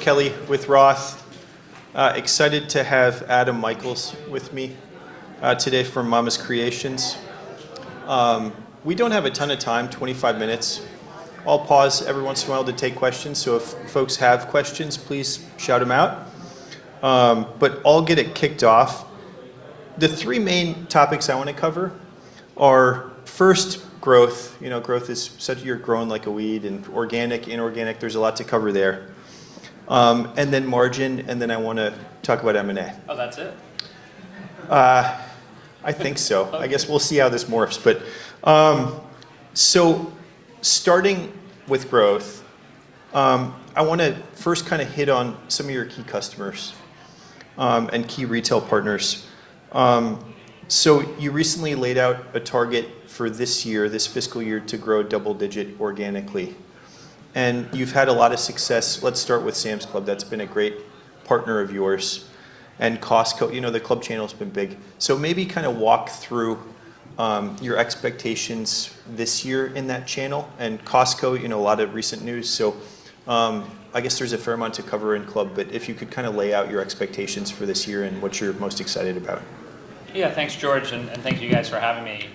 George Kelly with ROTH. Excited to have Adam Michaels with me today from Mama's Creations. We don't have a ton of time, 25 minutes. I'll pause every once in a while to take questions, so if folks have questions, please shout them out. I'll get it kicked off. The three main topics I want to cover are, first, growth. Said you're growing like a weed, in organic, inorganic. There's a lot to cover there. Then margin, and then I want to talk about M&A. Oh, that's it? I think so. Okay. I guess we'll see how this morphs. Starting with growth, I want to first hit on some of your key customers and key retail partners. You recently laid out a target for this year, this fiscal year, to grow double-digit organically, and you've had a lot of success. Let's start with Sam's Club. That's been a great partner of yours. Costco. The club channel's been big. Maybe walk through your expectations this year in that channel, and Costco, a lot of recent news. I guess there's a fair amount to cover in club, but if you could lay out your expectations for this year and what you're most excited about. Thanks George, and thank you guys for having me.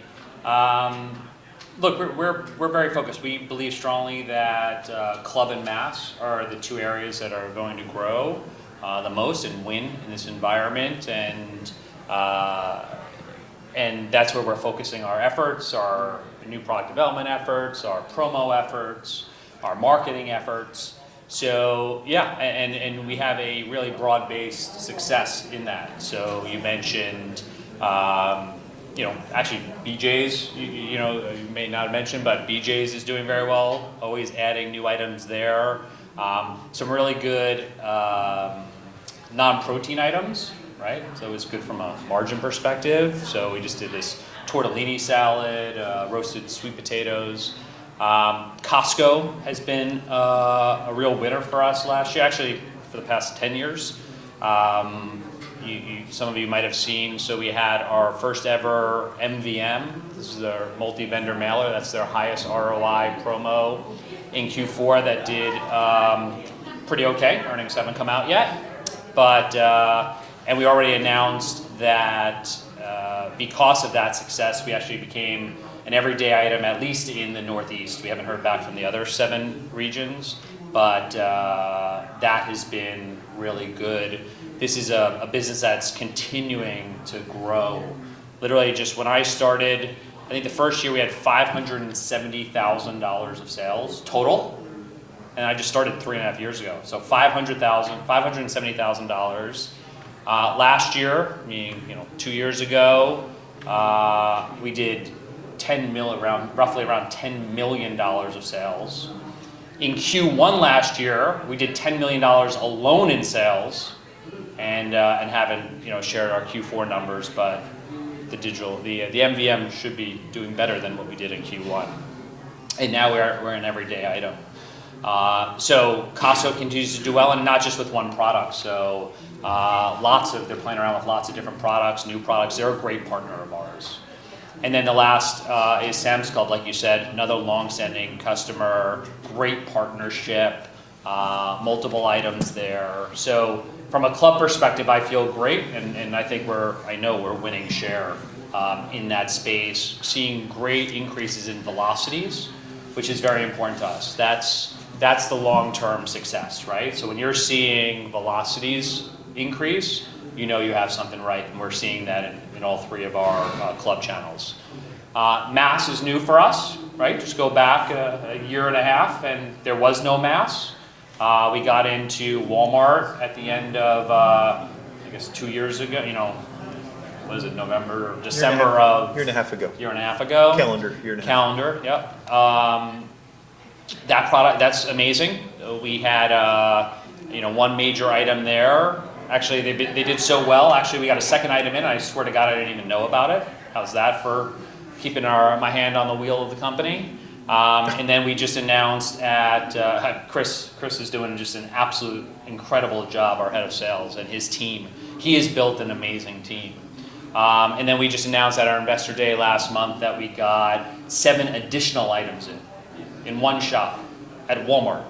We're very focused. We believe strongly that club and mass are the two areas that are going to grow the most and win in this environment, and that's where we're focusing our efforts, our new product development efforts, our promo efforts, our marketing efforts. Yeah. We have a really broad-based success in that. You mentioned, actually, BJ's. You may not have mentioned, but BJ's is doing very well. Always adding new items there. Some really good non-protein items. It's good from a margin perspective. We just did this tortellini salad, roasted sweet potatoes. Costco has been a real winner for us last year. Actually, for the past 10 years. Some of you might have seen, we had our first ever MVM. This is their multi-vendor mailer. That's their highest ROI promo in Q4. That did pretty okay. Earnings haven't come out yet. We already announced that because of that success, we actually became an everyday item, at least in the Northeast. We haven't heard back from the other seven regions, but that has been really good. This is a business that's continuing to grow. Literally, just when I started, I think the first year, we had $570,000 of sales total, and I just started three and a half years ago. $570,000. Last year, meaning two years ago, we did roughly around $10 million of sales. In Q1 last year, we did $10 million alone in sales. We haven't shared our Q4 numbers, but the MVM should be doing better than what we did in Q1. Now we're an everyday item. Costco continues to do well, and not just with one product. They're playing around with lots of different products, new products. They're a great partner of ours. The last is Sam's Club, like you said, another long-standing customer, great partnership, multiple items there. From a club perspective, I feel great and I know we're winning share in that space, seeing great increases in velocities, which is very important to us. That's the long-term success. When you're seeing velocities increase, you know you have something right, and we're seeing that in all three of our club channels. Mass is new for us. Just go back a year and a half and there was no mass. We got into Walmart at the end of, I guess two years ago. What was it? November or December of- A year and a half ago. A year and a half ago. Calendar a year and a half ago. Calendar. Yep. That's amazing. We had one major item there. Actually, they did so well, actually, we got a second item in. I swear to God I didn't even know about it. How's that for keeping my hand on the wheel of the company? We just announced at Chris is doing just an absolute incredible job, our head of sales, and his team. He has built an amazing team. We just announced at our investor day last month that we got seven additional items in in one shot at Walmart.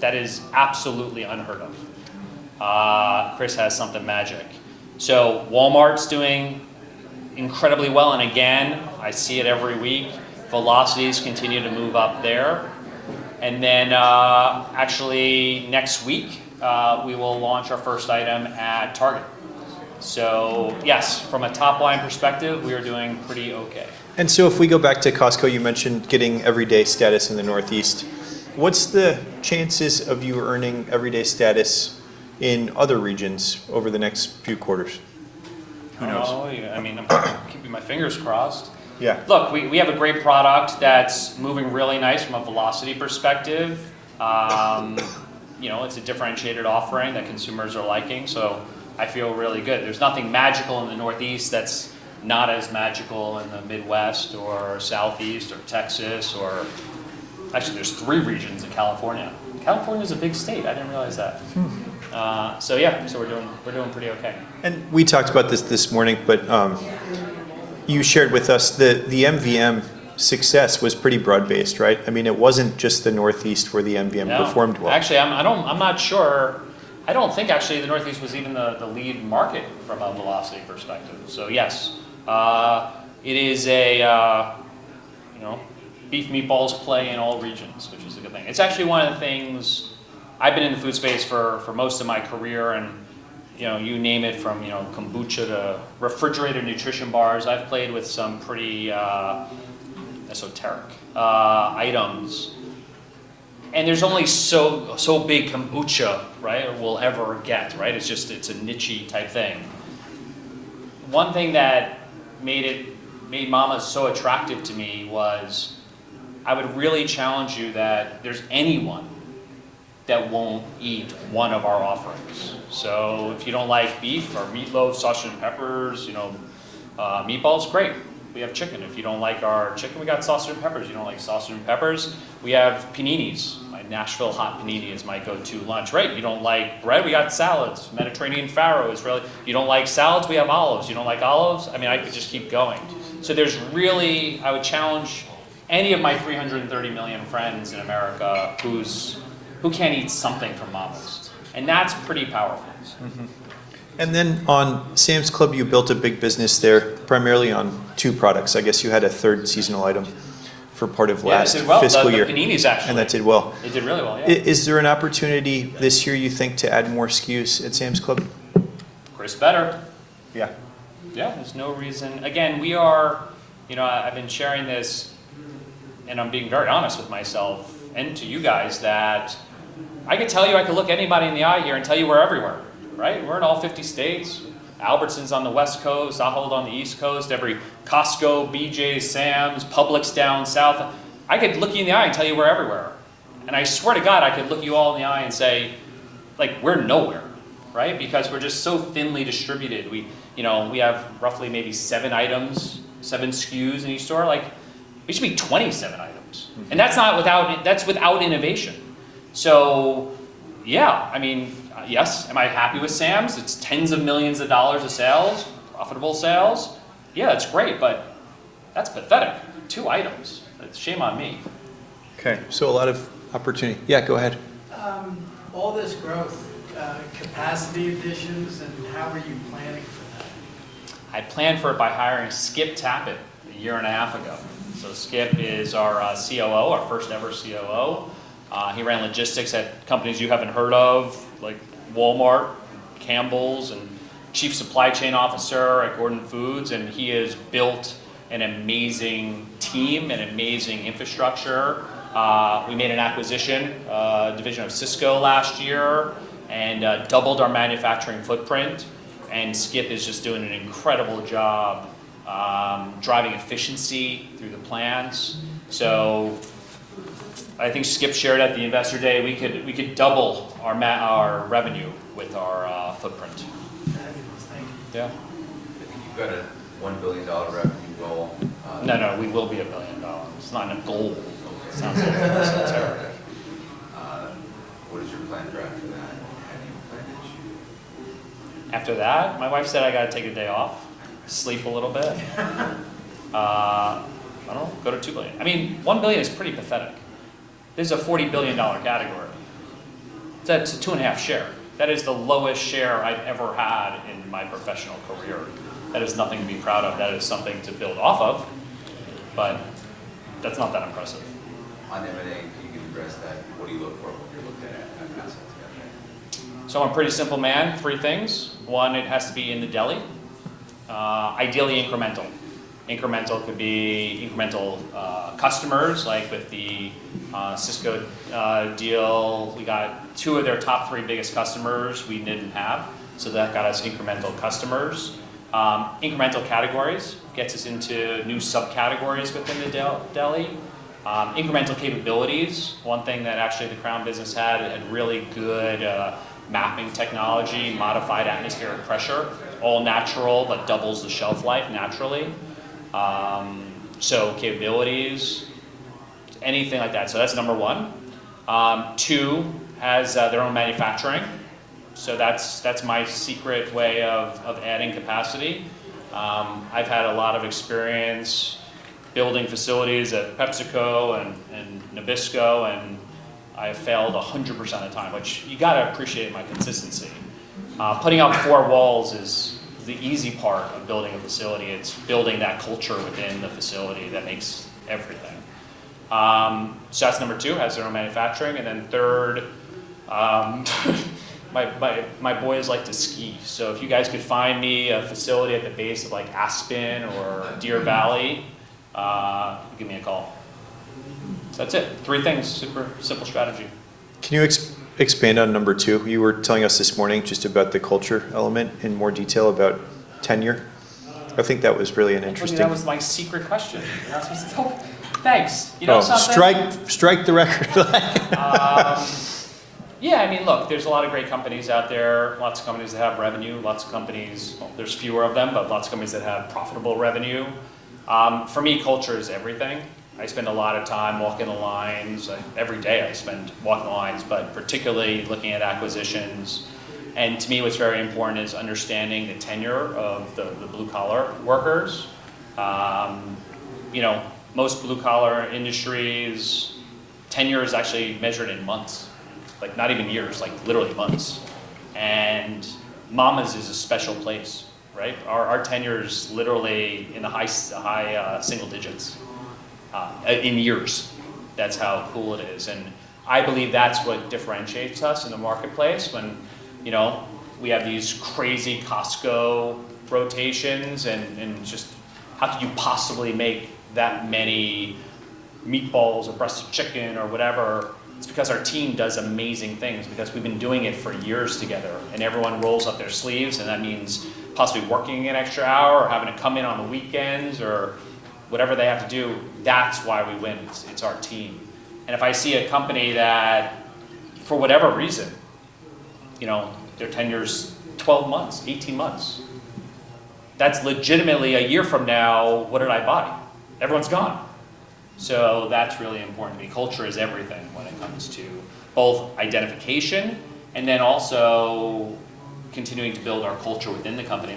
That is absolutely unheard of. Chris has something magic. Walmart's doing incredibly well, and again, I see it every week. Velocities continue to move up there. Actually next week, we will launch our first item at Target. Yes, from a top-line perspective, we are doing pretty okay. If we go back to Costco, you mentioned getting everyday status in the Northeast. What's the chances of you earning everyday status in other regions over the next few quarters? Who knows? I'm keeping my fingers crossed. Yeah. Look, we have a great product that's moving really nice from a velocity perspective. It's a differentiated offering that consumers are liking. I feel really good. There's nothing magical in the Northeast that's not as magical in the Midwest or Southeast or Texas or. Actually, there's three regions in California. California's a big state. I didn't realize that. Yeah. We're doing pretty okay. We talked about this this morning. You shared with us that the MVM success was pretty broad-based, right? It wasn't just the Northeast where the MVM. No performed well. Actually, I'm not sure. I don't think, actually, the Northeast was even the lead market from a velocity perspective. Yes, it is a beef meatballs play in all regions, which is a good thing. I've been in the food space for most of my career, and you name it, from kombucha to refrigerated nutrition bars. I've played with some pretty esoteric items. There's only so big kombucha, right, will ever get. It's a niche-y type thing. One thing that made Mama's so attractive to me was, I would really challenge you that there's anyone that won't eat one of our offerings. If you don't like beef, our meatloaf, sausage, and peppers, meatballs, great. We have chicken. If you don't like our chicken, we got sausage and peppers. You don't like sausage and peppers, we have paninis. My Nashville Hot Panini is my go-to lunch. Great, you don't like bread, we got salads, Mediterranean farro. You don't like salads, we have olives. You don't like olives, I could just keep going. I would challenge any of my 330 million friends in America who can't eat something from Mama's, and that's pretty powerful. On Sam's Club, you built a big business there primarily on two products. I guess you had a third seasonal item for part of last- Yeah. That did well fiscal year. paninis, actually. That did well. It did really well, yeah. Is there an opportunity this year, you think, to add more SKUs at Sam's Club? Chris, better. Yeah. Yeah, there's no reason. Again, I've been sharing this, and I'm being very honest with myself and to you guys, that I could tell you I could look anybody in the eye here and tell you we're everywhere. We're in all 50 states. Albertsons on the West Coast, Ahold on the East Coast, every Costco, BJ's, Sam's, Publix down South. I could look you in the eye and tell you we're everywhere. I swear to God, I could look you all in the eye and say, "We're nowhere." Because we're just so thinly distributed. We have roughly maybe seven items, seven SKUs in each store. We should be 27 items. That's without innovation. Yeah. Yes, am I happy with Sam's? It's tens of millions of dollars of sales, profitable sales. Yeah, it's great, but that's pathetic. Two items. It's shame on me. Okay, a lot of opportunity. Yeah, go ahead. All this growth, capacity additions, how are you planning for that? I planned for it by hiring Skip Tappan a year and a half ago. Skip is our COO, our first-ever COO. He ran logistics at companies you haven't heard of, like Walmart, Campbell's, and chief supply chain officer at Gordon Food Service. He has built an amazing team, an amazing infrastructure. We made an acquisition, a division of Sysco, last year, and doubled our manufacturing footprint. Skip is just doing an incredible job, driving efficiency through the plants. I think Skip shared at the investor day, we could double our revenue with our footprint. That was the thing. Yeah. I think you've got a $1 billion revenue goal. No, no, we will be $1 billion. It's not in a goal. Okay. Sounds like that's so terrible. What is your plan for after that? Have you planned it? After that? My wife said I got to take a day off, sleep a little bit. I don't know. Go to $2 billion. $1 billion is pretty pathetic. This is a $40 billion category. That's a 2.5 share. That is the lowest share I've ever had in my professional career. That is nothing to be proud of. That is something to build off of, but that's not that impressive. On M&A, can you address that? What do you look for when you're looking at acquisitions? Got you. I'm a pretty simple man. Three things. One, it has to be in the deli. Ideally incremental. Incremental could be incremental customers, like with the Sysco deal, we got two of their top three biggest customers we didn't have. That got us incremental customers. Incremental categories gets us into new subcategories within the deli. Incremental capabilities. One thing that actually the Crown business had, a really good MAP technology, modified atmosphere packaging, all natural, but doubles the shelf life naturally. Capabilities, anything like that. That's number 1. 2, has their own manufacturing. That's my secret way of adding capacity. I've had a lot of experience building facilities at PepsiCo and Nabisco, and I have failed 100% of the time, which you got to appreciate my consistency. Putting up four walls is the easy part of building a facility. It's building that culture within the facility that makes everything. That's number 2, has their own manufacturing. Third, my boys like to ski, so if you guys could find me a facility at the base of Aspen or Deer Valley, give me a call. That's it. Three things. Super simple strategy. Can you expand on number 2? You were telling us this morning just about the culture element in more detail about tenure. I think that was really an interesting. Actually, that was my secret question. Thanks. Strike the record. Look, there's a lot of great companies out there, lots of companies that have revenue, lots of companies, there's fewer of them, but lots of companies that have profitable revenue. For me, culture is everything. I spend a lot of time walking the lines. Every day I spend walking the lines, but particularly looking at acquisitions. To me, what's very important is understanding the tenure of the blue-collar workers. Most blue-collar industries, tenure is actually measured in months. Not even years, literally months. Mama's is a special place, right? Our tenure is literally in the high single digits in years. That's how cool it is. I believe that's what differentiates us in the marketplace when we have these crazy Costco rotations and just how could you possibly make that many meatballs or breasts of chicken or whatever. It's because our team does amazing things, because we've been doing it for years together, and everyone rolls up their sleeves, and that means possibly working an extra hour or having to come in on the weekends or whatever they have to do. That's why we win. It's our team. If I see a company that, for whatever reason, their tenure's 12 months, 18 months, that's legitimately a year from now, what did I buy? Everyone's gone. That's really important to me. Culture is everything when it comes to both identification and then also continuing to build our culture within the company.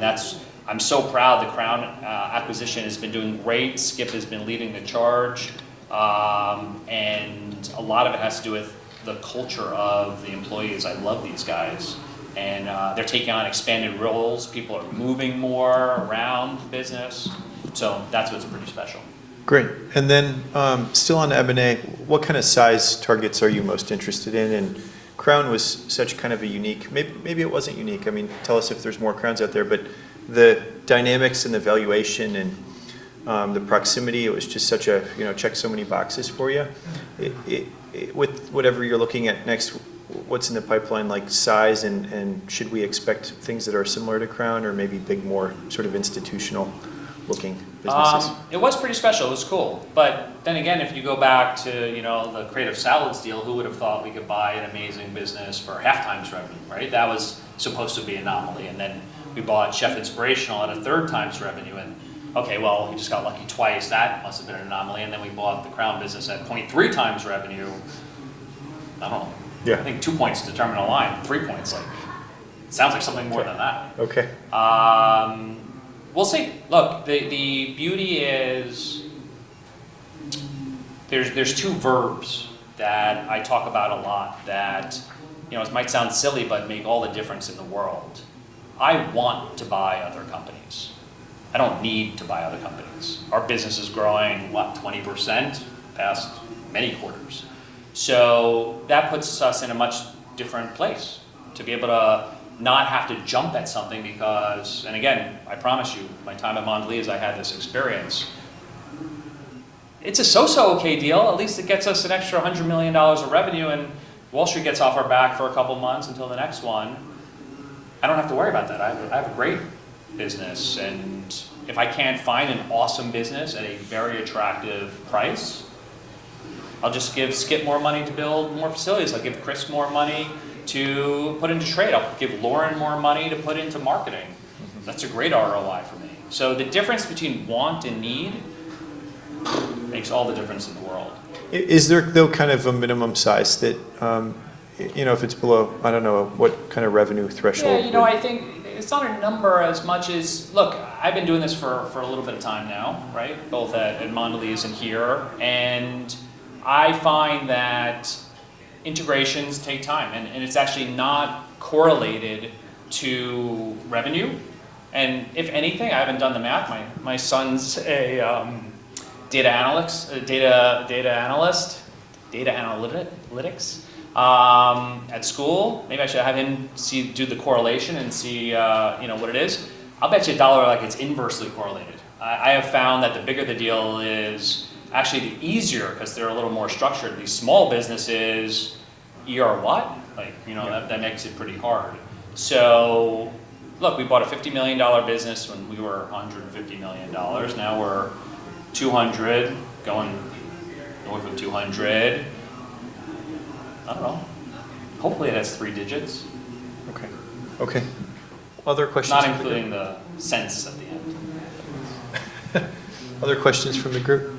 I'm so proud that Crown acquisition has been doing great. Skip has been leading the charge. A lot of it has to do with the culture of the employees. I love these guys, and they're taking on expanded roles. People are moving more around the business. That's what's pretty special. Great. Still on M&A, what kind of size targets are you most interested in? Crown was such a unique Maybe it wasn't unique. Tell us if there's more Crowns out there, but the dynamics and the valuation and the proximity, it checked so many boxes for you. With whatever you're looking at next, what's in the pipeline, like size, and should we expect things that are similar to Crown or maybe think more institutional-looking businesses? It was pretty special. It was cool. If you go back to the Creative Salads deal, who would've thought we could buy an amazing business for half times revenue, right? That was supposed to be an anomaly. We bought Chef Inspirational at a third times revenue. Okay, well, we just got lucky twice. That must have been an anomaly. We bought the Crown business at 0.3 times revenue. I don't know. Yeah. I think two points determine a line. Three points, sounds like something more than that. Okay. We'll see. Look, the beauty is there's two verbs that I talk about a lot that, this might sound silly, but make all the difference in the world. I want to buy other companies. I don't need to buy other companies. Our business is growing, what, 20% the past many quarters. That puts us in a much different place to be able to not have to jump at something because, and again, I promise you, my time at Mondelez, I had this experience. It's a so-so okay deal. At least it gets us an extra $100 million of revenue, and Wall Street gets off our back for a couple of months until the next one. I don't have to worry about that. I have a great business, and if I can't find an awesome business at a very attractive price, I'll just give Skip more money to build more facilities. I'll give Chris more money to put into trade. I'll give Lauren more money to put into marketing. That's a great ROI for me. The difference between want and need makes all the difference in the world. Is there, though, a minimum size that, if it's below, I don't know what kind of revenue threshold would- Yeah, I think it's not a number as much as Look, I've been doing this for a little bit of time now, right? Both at Mondelez and here, and I find that integrations take time, and it's actually not correlated to revenue. If anything, I haven't done the math. My son's a data analytics at school. Maybe I should have him do the correlation and see what it is. I'll bet you $1 it's inversely correlated. I have found that the bigger the deal is, actually the easier because they're a little more structured. These small businesses, you are what? That makes it pretty hard. Look, we bought a $50 million business when we were $150 million. Now we're 200 going north of 200. I don't know. Hopefully, it has three digits. Okay. Other questions from the group? Not including the cents at the end. Other questions from the group?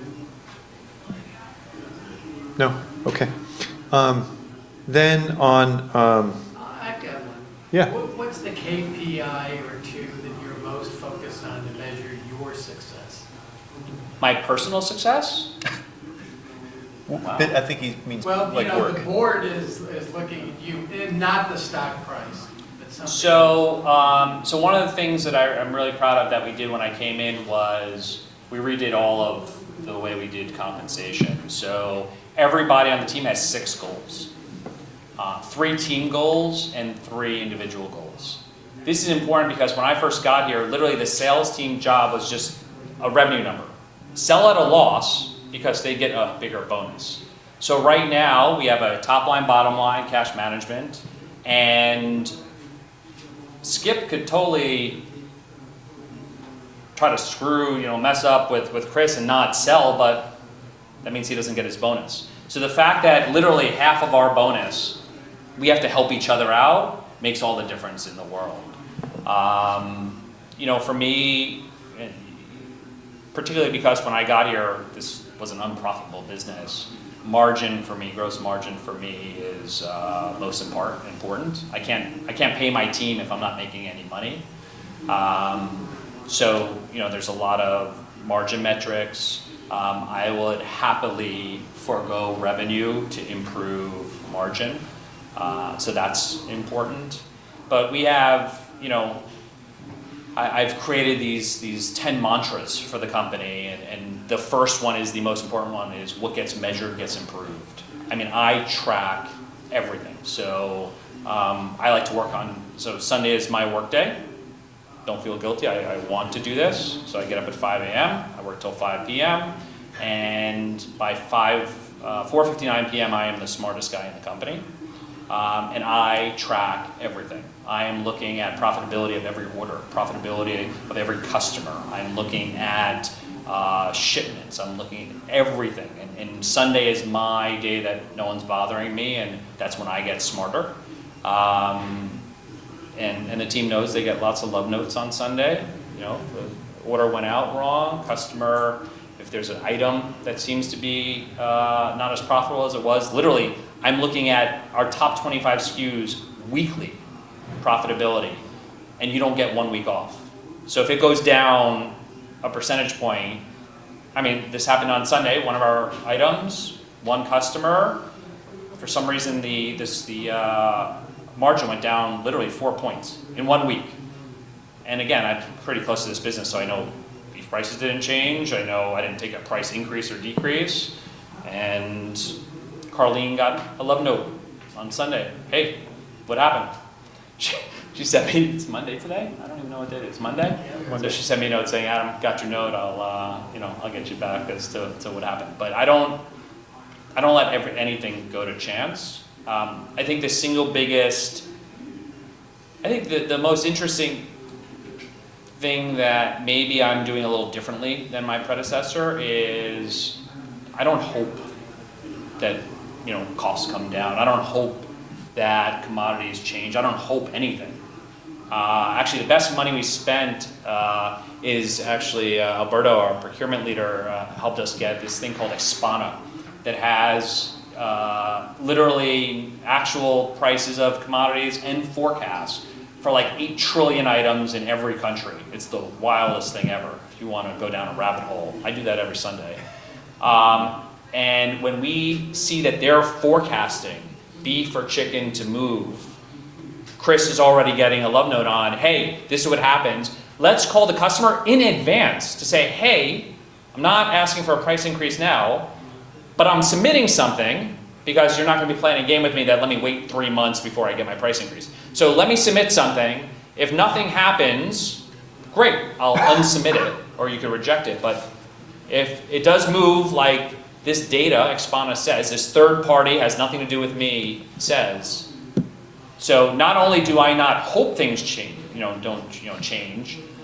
No. Okay. I've got one. Yeah. What's the KPI or two that you're most focused on to measure your success? My personal success? Wow. I think he means work. The board is looking at you and not the stock price at some point. One of the things that I'm really proud of that we did when I came in was we redid all of the way we did compensation. Everybody on the team has six goals. Three team goals and three individual goals. This is important because when I first got here, literally the sales team job was just a revenue number. Sell at a loss because they'd get a bigger bonus. Right now we have a top line, bottom line cash management, and Skip could totally try to mess up with Chris and not sell, but that means he doesn't get his bonus. The fact that literally half of our bonus, we have to help each other out, makes all the difference in the world. For me, particularly because when I got here, this was an unprofitable business, margin for me, gross margin for me is most important. I can't pay my team if I'm not making any money. There's a lot of margin metrics. I would happily forego revenue to improve margin. That's important. I've created these 10 mantras for the company, and the first one is the most important one, is what gets measured gets improved. I track everything. Sunday is my work day. Don't feel guilty. I want to do this. I get up at 5:00 A.M., I work till 5:00 P.M., and by 4:59 P.M., I am the smartest guy in the company. I track everything. I am looking at profitability of every order, profitability of every customer. I'm looking at shipments. I'm looking at everything. Sunday is my day that no one's bothering me, and that's when I get smarter. The team knows they get lots of love notes on Sunday. The order went out wrong, customer, if there's an item that seems to be not as profitable as it was. Literally, I'm looking at our top 25 SKUs weekly profitability, and you don't get one week off. If it goes down a percentage point. This happened on Sunday. One of our items, one customer, for some reason, the margin went down literally four points in one week. Again, I'm pretty close to this business, so I know these prices didn't change. I know I didn't take a price increase or decrease. Carlene got a love note on Sunday. "Hey, what happened?" She sent me, "It's Monday today? I don't even know what day it is. Monday? Yeah. Monday. She sent me a note saying, "Adam, got your note. I'll get you back as to what happened." I don't let anything go to chance. I think the most interesting thing that maybe I'm doing a little differently than my predecessor is I don't hope that costs come down. I don't hope that commodities change. I don't hope anything. Actually, the best money we spent is actually Alberto, our Procurement Leader, helped us get this thing called Expana that has literally actual prices of commodities and forecasts for like 8 trillion items in every country. It's the wildest thing ever. If you want to go down a rabbit hole, I do that every Sunday. When we see that they're forecasting beef or chicken to move, Chris is already getting a love note on, "Hey, this is what happens. Let's call the customer in advance to say, 'Hey, I'm not asking for a price increase now, but I'm submitting something because you're not going to be playing a game with me that let me wait three months before I get my price increase.' Let me submit something. If nothing happens, great. I'll un-submit it or you can reject it. If it does move like this data Expana says, this third party, has nothing to do with me, says." Not only do I not hope things change,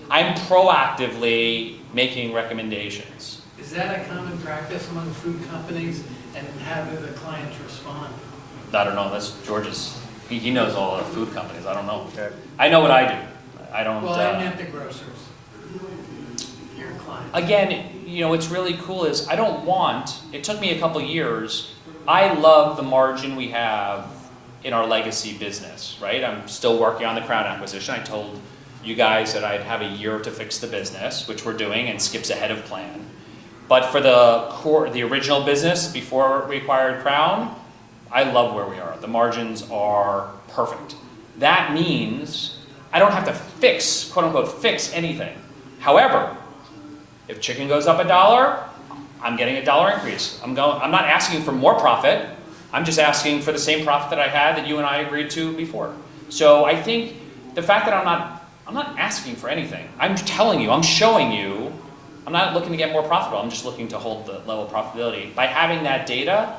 I'm proactively making recommendations. Is that a common practice among food companies? How do the clients respond? I don't know. That's George's. He knows all the food companies. I don't know. Okay. I know what I do. Well, I meant the grocers. Your clients. What's really cool is it took me a couple of years. I love the margin we have in our legacy business. I'm still working on the Crown acquisition. I told you guys that I'd have a year to fix the business, which we're doing, and Skip's ahead of plan. For the original business before we acquired Crown, I love where we are. The margins are perfect. That means I don't have to quote unquote "fix anything." However, if chicken goes up $1, I'm getting a $1 increase. I'm not asking for more profit. I'm just asking for the same profit that I had that you and I agreed to before. I think the fact that I'm not asking for anything. I'm telling you, I'm showing you, I'm not looking to get more profitable. I'm just looking to hold the level of profitability. By having that data,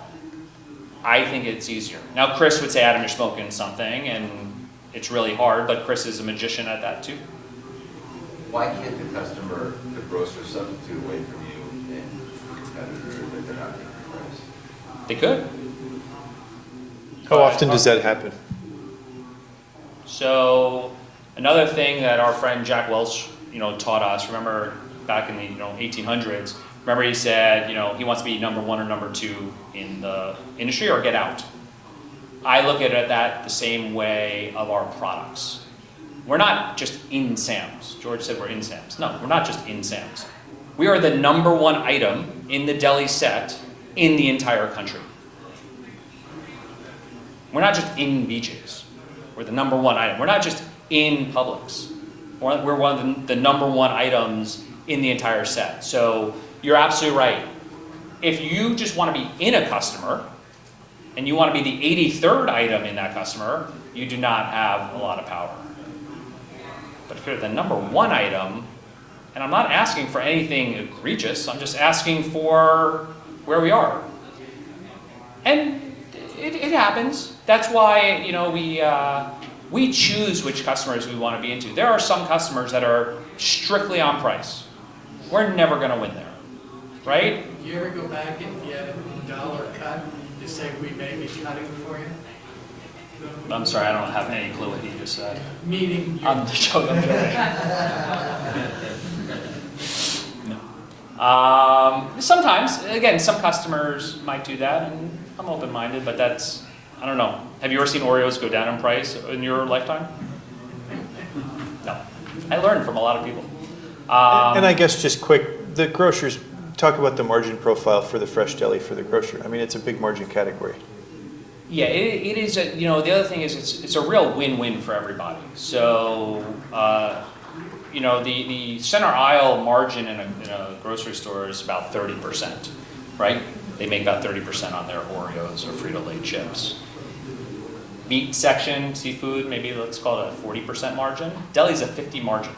I think it's easier. Now, Chris would say, "Adam, you're smoking something," and it's really hard, but Chris is a magician at that, too. Why can't the customer, the grocer, substitute away from you and the competitors if they're not making the price? They could. How often does that happen? Another thing that our friend Jack Welch taught us, remember back in the 1800s, remember he said, he wants to be number 1 or number 2 in the industry or get out. I look at that the same way of our products. We're not just in Sam's. George said we're in Sam's. No, we're not just in Sam's. We are the number 1 item in the deli set in the entire country. We're not just in BJ's. We're the number 1 item. We're not just in Publix. We're one of the number 1 items in the entire set. You're absolutely right. If you just want to be in a customer, and you want to be the 83rd item in that customer, you do not have a lot of power. If you're the number 1 item, and I'm not asking for anything egregious, I'm just asking for where we are. It happens. That's why we choose which customers we want to be into. There are some customers that are strictly on price. We're never going to win there. Right? Year ago back if you had a $1 cut, you say we maybe cut it for you? I'm sorry, I don't have any clue what you just said. Meaning- I'm joking. No. Sometimes. Some customers might do that, and I'm open-minded, but that's, I don't know. Have you ever seen OREO go down in price in your lifetime? No. I learn from a lot of people. I guess, just quick, the grocers talk about the margin profile for the fresh deli for the grocer. It's a big margin category. Yeah. The other thing is it's a real win-win for everybody. The center aisle margin in a grocery store is about 30%. Right? They make about 30% on their OREO or Frito-Lay chips. Meat section, seafood, maybe let's call it a 40% margin. Deli's a 50% margin.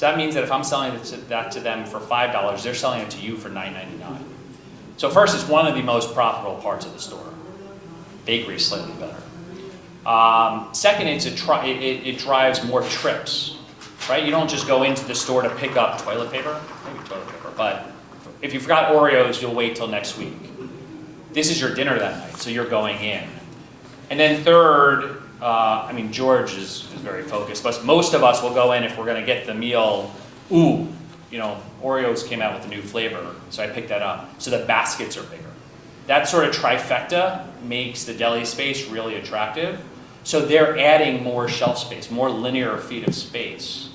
That means that if I'm selling that to them for $5, they're selling it to you for $9.99. First, it's one of the most profitable parts of the store. Bakery's slightly better. Second, it drives more trips. Right? You don't just go into the store to pick up toilet paper. Maybe toilet paper, but if you forgot OREO, you'll wait till next week. This is your dinner that night, so you're going in. Third, George is very focused, but most of us will go in if we're going to get the meal. Ooh, OREO came out with a new flavor, I picked that up." The baskets are bigger. That sort of trifecta makes the deli space really attractive. They're adding more shelf space, more linear feet of space.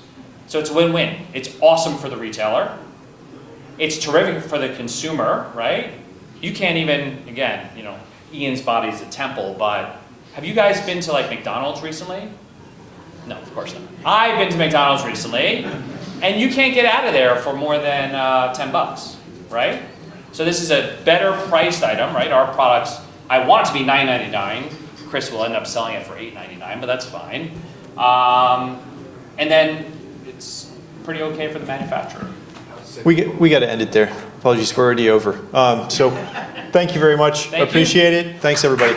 It's win-win. It's awesome for the retailer. It's terrific for the consumer. Right? You can't even Ian's body is a temple, but have you guys been to McDonald's recently? No, of course not. I've been to McDonald's recently. You can't get out of there for more than $10. Right? This is a better-priced item. Right? Our products, I want it to be $9.99. Chris will end up selling it for $8.99, but that's fine. It's pretty okay for the manufacturer. We got to end it there. Apologies, we're already over. Thank you very much. Thank you. Appreciate it. Thanks everybody.